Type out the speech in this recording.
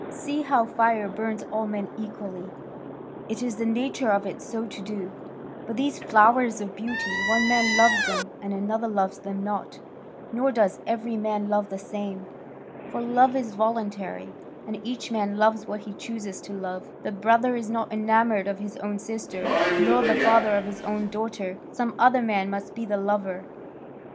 See how fire burns all men equally; it is the nature of it so to do; but these flowers of beauty, one man loves them, and another loves them not, nor does every man love the same. For love is voluntary, and each man loves what he chooses to love. The brother is not enamoured of his own sister, nor the father of his own daughter; some other man must be the lover.